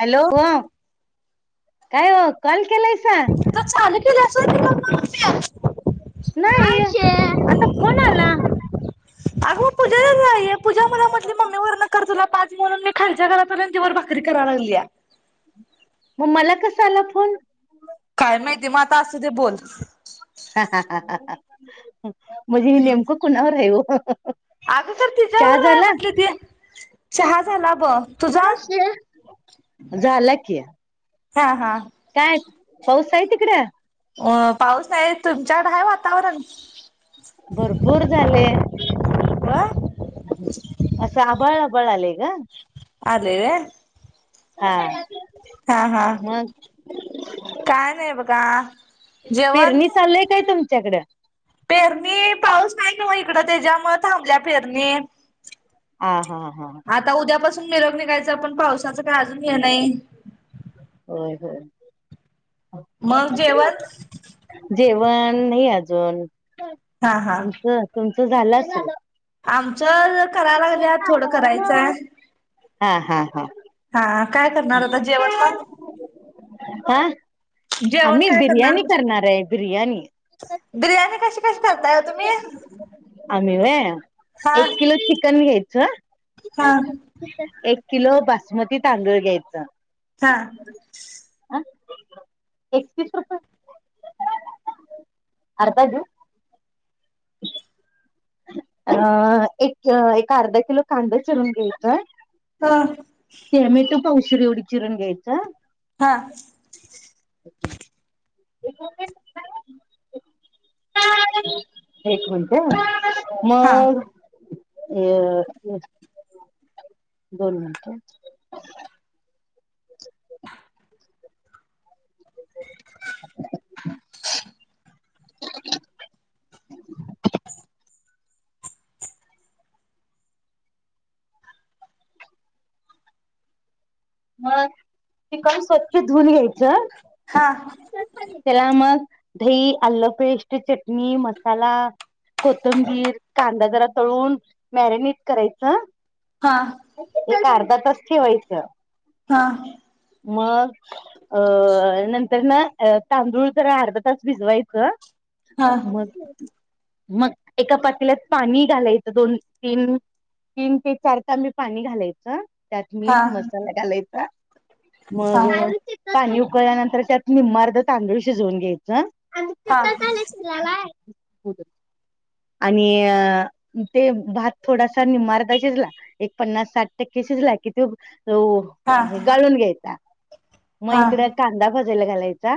Hello काय हो call केलायसा? तर चालू केलंय सोड की [unintelligible] नाही आता फोन आला. अग पूजा जाय पूजा मणा म्हटली मम्मी वरन करनार. पाच म्हणून मी खालच्या घरात आलोय ती वर भाकरी कराय लागलीया. मग मला कस आला फोन? काय माहिती मग आता असू दे बोल हम्म म्हणजे हे नेमकं कुणावर आहे वो अगं तर तिच्यावर राय म्हटली होती चहा झाला बघ तुझा मावशे झाला की हा हा काय पाऊस ताई तिकडं अ पाऊस नाही तुमच्याकड हाय वातावरण भरपूर झाले. होय असं आबाळ आबळ आलेय ग. आले रे हा. हा हा मग काय नाही बघा जेवण पेरणी चाललय काय तुमच्याकडं? पेरणी पाऊस नाही मग इकडं त्याच्यामुळ थांबल्या पेरणी हा हा हा निघायचा पण पावसाचा काय अजून हे नाही. होय होय. मग जेवण जेवण नाही अजून हा हा तुमचं तुमचं तु झाल असल आमचं कराय लागल्या थोडं करायचंय आहे हा हा हा हा काय करणार आता जेवण मग हा जेवण आम्ही काय बिर्याणी करणार आहे बिर्याणी बिर्याणी कशी कशी करताय ओ तुम्ही आम्ही व्हय हा एक किलो चिकन घ्याय झ हा एक किलो बासमती तांदूळ घ्यायच अच्छा. हा एकतीस रुपये अर्धा घेऊ? अं एक एक अर्धा किलो कांदा चिरून घेतोय. हा तेे मी युट्युब पावशेर एवढी चिरून घ्यायचं हा एक मिनट हा मग अ दोन मिनट ब [unintelligible] ग [unintelligible] ह चिकण स्वच्छ धुूवून घ्यायचं, हा त्याला मग दही आलं पेस्ट चटणी मसाला कोथंबीर कांदा जरा तळून मॅरिनेट करायचं, हा ते करर [unintelligible] आर्धा तास ठेवायचं हा मग अ नंतर ना तांदूळ तर अर्धा तास भिजवायचं, मग मग एका पातीलात पाणी घालायचं दोन तीन तीन ते चार तांबी पाणी घालायचं त्यात हा हा मीठ हा मसाला घालायचा. मग पाणी उकळल्यानंतर त्यात निम्मारर्ध तांदूळ शिजवून घ्यायचं हा ह होत [unintelligible] आणि अ ते भात थोडासा निम्माअर्धा शिजला एक पन्नास साठ टक्के शिजला कि तो, तो हा गाळून घ्यायचा मग इकड कांदा भा ला घालायचा,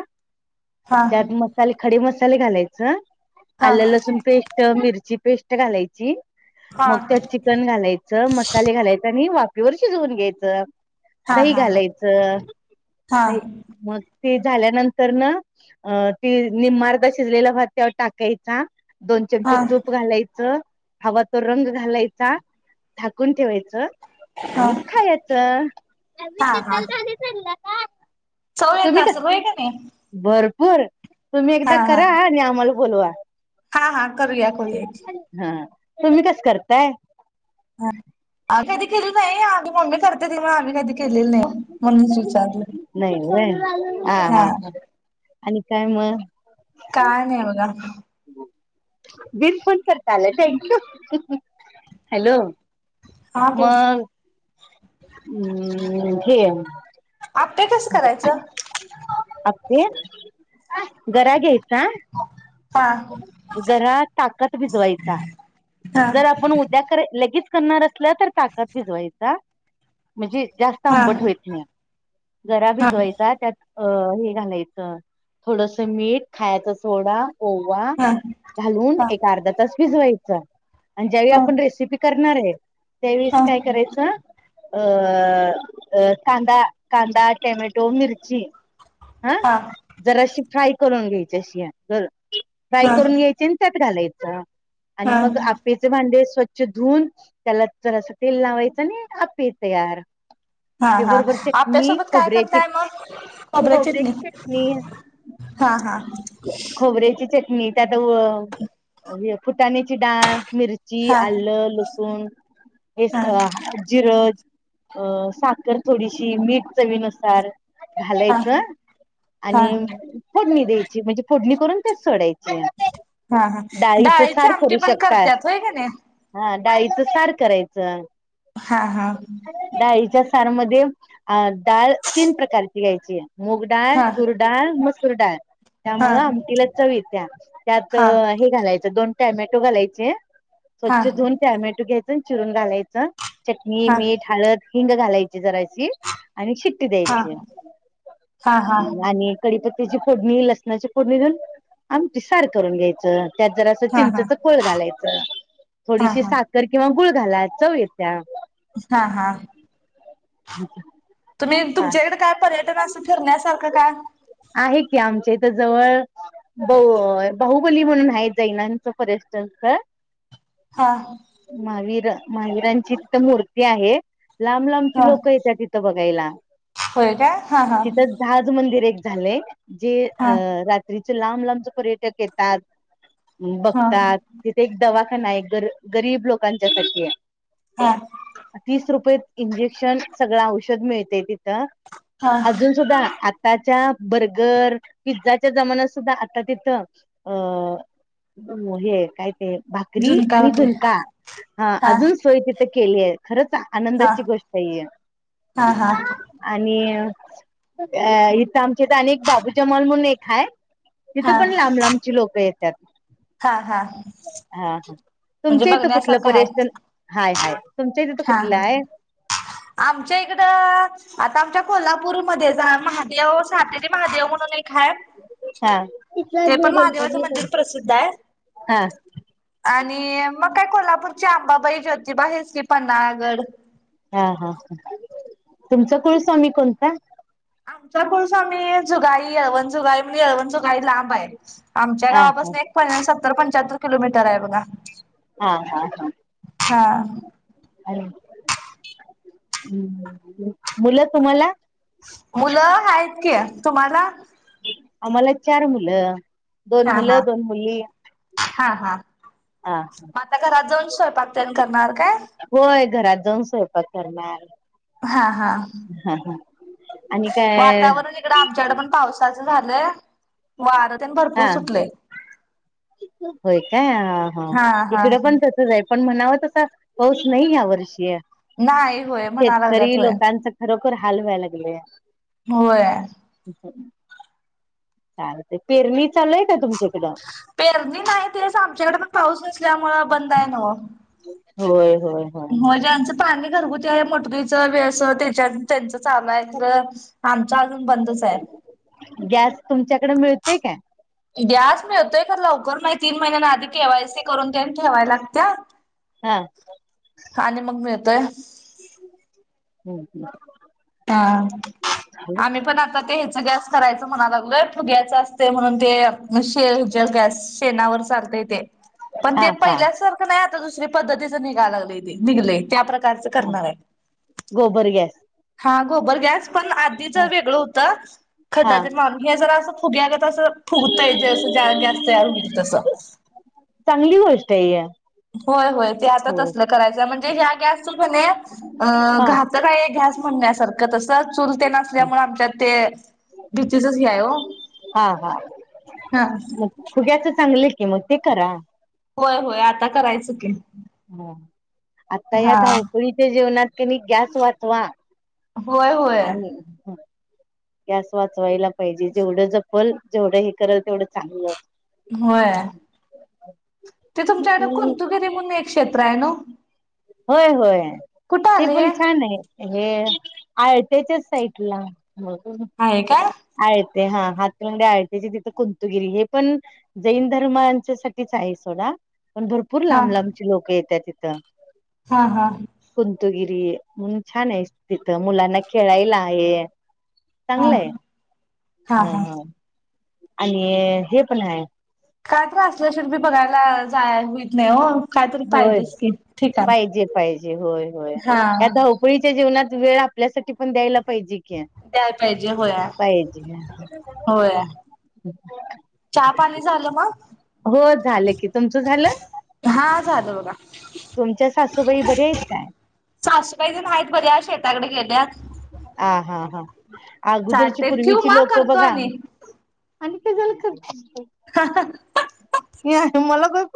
हा हा हा त्यात हा मसाले खडे मसा तेल घालायचं. आलं लसून पेष्ट मिरची पेस्ट घालायची. हा हा मग त्यात चिकन घालायचं मसाले घालायच आणि वाप वर शिजवून घ्यायचं, दही घालायचं. द हा मग ते झा र निम्मा आरदा शिजलेला भात तेज्यावर टाका द ते तूप हा घालायचं. हवा तो रंग घालायचा झाकून ठेवायच. आणि खायच. सवलय का असल होय का नाही [inaudible] घर तुम्ही एकदा करा आणि आम्हाला बोलवा. हा हा करूया करूया हा तुम्ही कस करताय. ह कधी केली नाही आम्ही मम्मी करते तेव आम्ही कधी केलेलं नाही म्हणच विचारले. नाही व्हय हा आणि काय म का नाही ब का वीर फोन करता आला. थँक यू हॅलो हा बोल हम् ठ [unintelligible] आपे कसं करायचं. अपे गरा घ्यायचा. हा घरात ताकात भिजवायचा. हा जर आपण उद्या कर लगेच करणार असल्या तर ताका त भिजवायचा. म्हणजे जास्त हा आंबट होत नाही गरा हा हा भिजवायचा त्यात अ हे घालायचं थोडस मीठ खायचा सोडा ओवा हा घालून हा एक अर्धा तास भिजवायचं. आणि ज्या वेळी हा हा आपण रेसिपी करणार आहे. हा [inaudible] त्यावेळीस काय करायचं. अ अ कांदा कांदा टमॅटो मिर्ची, हा जराशी फ्राय करून घ्यायच्या शियार फ्राय करून यायचे आणि त्यात घालायचं. [inaudible] आणि हा मग आप भांडे स्वच्छ धुवुन त्याला जरासं तेल लावायचं आणि आप्पे तयार हा आप्पे हा बरोबर आप्या चटणी सोबत काय खोबऱ्याची करताय मग खबरायची चटणी खोबऱ्याची चटणी हा हा नी त्यात अ हे फुटण्याची डाळ मिरची, हा आलं, लसु ऊन हे हा अ जिर ज अ साखर थोडीशी मीठ चवी नुसार हा घालायचं हा आणि फोडणी द्यायची म्हणजे फोडणी करून त्यात सोडाय हा हा डाळीची सार आमटी करू पण कर शकता. त्याच हाय कनाय हा डाळीचं सार करायचं हा हा डाळीच्या सार मध्ये डाळ तीन प्रकारची घ्यायची ये. मूग डाळ, हा तूर डाळ, मस् सुर डाळ हा त्यामुळं आमटीला चव ये त्या त्यात हा हा हे, घालायचं दोन टॅमॅटो घालाय चे हा स्वच्छ धुऊन टॅमेटो घ्याय चिरून घालायचा चटणी, हा मीठ, हळद हिंग घालायची जराशी आणि शिट्टी हा द्यायची हा हा हा आणि कडीप त्याची फोडणी लसणाची फोडणी देऊन, आमटी सार करून घ्यायचं. त्यात जरा, असं हा चिंचचा कोळ घालाय हा थोडीशी साखर किंवा गुळ- घालाय चव येत्या हा हा. अच्छा तुम्ही तुमच्याकडे काय परय- तर असं फिरण्या सारखं काय? आहे की आमच्या इथं जवळ बहु बाहुबली म्हणून आहेत जैनांच्या पर्यटन स्थळ हा माहवीरा महावीरांची तिथं मूर्ती आहे. लांब लांबची हा लोकं येत्या तिथं बघायला. होय काय हा हा तिथं जहाज मंदिर एक झाले. जे अ हा रात्रीचे लाव मुलांचा पर्यटक येतात. हा बघतात तिथे एक दवा नाही ग गरीब लोकांच्यासाठी आहे. हा तीस रुपये इंजेक्शन सगळं औषध मिळते तिथं. हा अजून सुद्धा आताच्या बर्गर पिझ्झाच्या जमान्यात सुद्धा आता तिथं अ हे काय ते भाकरी झुणका आणि भाकरी झुणका हा अजून सोय तिथं केली आहे. खरंच हा आनंदाची गोष्ट आहे हा ही हा आणि अ इथं आमच्या तर अनेक बाबू जमाल म्हणून एक हाय हा तिथं पण लांब-लांबची लोकं येत्यात. हा हा. हा म्हणजे तुमच्या इथ कुठलं बघण्यासारखं आहे पर्यस्टन हा. हाय हाय. तुमचं तिथं हा कुठला हा आहे? आमच्या इकडं आता आमच्या कोल्हापूर मध्ये आहे, सा महादेव सातेरी महादेव म्हणून एक हाय. हा तिथलं ते मी पण बोलतो महादेवाचं मी मंदिर बोलतो प्रसिद्ध आहे हा आणि मग काय कोल्हापूरची आंबाबाई ज्योतिबा हेच की पन्हाळागड. हा हा ह तुमचा कुळ स्वामी कोणता? आमचा कुलस्वामी जुगाळी येळवण जुगाळी येळवण जु काय लांब आहे. आमच्या हा हा गावापासन एक पना-सत्तर पण त्तर किलोमीटर आहे बघा. हा हा हा मुलं तुम्हाला मुलं आहेत आहेत की तुम्हाला आम्हाला चार मुलं, दोन ह ह मुलं दोन मुली हा हा हा मग आता घरात जाऊन स्वयपाक ते करणार का होय, घरात जाऊन स्वयपाक करणार हा हा हा हा आणि काय वातावरण इकड आमच्याकड पण पावसाच झालं वार तेन भरपूर हा सुटलय. होय काय हा हा हा इकडं पण तसच हाय पण म्हणाव तसा पाऊस नाही ह्या वर्षी नाही होय म्हणा लागल्यात शेतकरी होय. लोकांचा खरोखर हाल व्हायला लागले. होय हो चाल ते पेरणी चालूय काय तुमची पेरणी नाही ते आमच्याकडे पण पाऊस नसल्यामुळे बंद आहे न्हव होय होय होय म्हजच पाणी घरगुती आहे मटगरीच वेस त्या त्यांचं चालू आहे तर गॅस तुमच्याकडे मिळत ते काय गॅस मिळतोय खरं लवकर तीन महिन्यांना आधी केवायसी करून दे ठेवाय लागत. हा आणि मग मिळतोय. हम् हम हा आम्ही पण आता ते ह्याच जास्त करायच म्हणाय लागलोय फुग्यायच असते म्हणून ते शे जल अस शेणावर चालतय ते पण ते हा हा पहिल्यासारख नाही. दुसरी पद्धतीच निघाय लाग निघ त्या प्रकारचं हा करणार गोबर गॅस हां गोबर गॅस पण आधी जर वेगळं होत हा खड्डा तेन मारुन हे जरा असं फुग्या गत अस फुगतय जसा गॅस तयार होईल तस, चांगली गोष्ट आहे या होय होय. ते आता हो तसल करायचं. ते गँस घ हा का म्हणण्यासारखं तसं चूल तेन असल्यामुळे आमच्यात ते बीसच हा हा कि मतिकार होय होय आता करायचं क हम आता या धावपळीच्या जेवणत कनी गॅस वाचवा. होय होय आणि गॅस वाचवायला पाहिजे जेवढं जपल जेवढं हे करल तेवढं चांगलं. होय. ते तुमच्याकडे कोुंतुगिरी म्हणून एक क्षेत्र आहे ना होय होय ते आलं पण हे? छान आहे. हे आळत्याच्याच साईडला हो आहे काय आयत ते हा हातं आळतेचे तिथं कुंतुगिरी हे पण जैन धर्मांच्या साच आहे सोडा पण भरपूर हा लांब लांबची लोकं येतातिथ ते हा हा मून छान आहे तिथं मुलांना खेळायला आहे. हा चांगलं आहे हा हा आणि हे पण आहे. काय त्रासला शेी बघायला जाय होईत नाही हो कायतरी होय पाहिजेच की ठिकाण. पाहिजे पाहिजे होय होय हा. या धावपळीच्या जीवनात वेळ आपल्यासाठी पण द्यायला. पाहिजे की द्याय पाहिजे होया पाहिजे होया चहा पाणी झालं मग? हो झालं कि तुमचं झालं. तुमच्या सासूबाई बरे आहेत काय? साशुबाई ज नाहीत बर शेताकडे गेल्यात. ह हा हा अगोदरची चालते क्यू पूर्वीची म लोक करतो बघा आणि आणि काय झालं कर या मला का